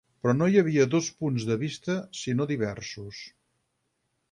Però no hi havia dos punts de vista sinó diversos.